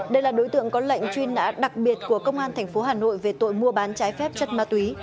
đây là đối tượng có lệnh chuyên nã đặc biệt của công an thành phố hà nội về tội mua bán trái phép chất ma túy